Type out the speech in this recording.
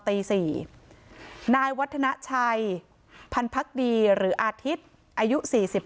ตีสี่นายวัทณชัยพันพรักดีหรืออาทิตย์อายุสี่สิบ